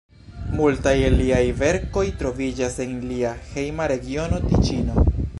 Multaj el liaj verkoj troviĝas en lia hejma regiono, Tiĉino.